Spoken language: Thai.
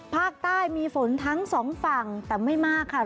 ภาคใต้มีฝนทั้งสองฝั่งแต่ไม่มากค่ะ